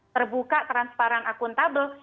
terbuka transparan akuntabel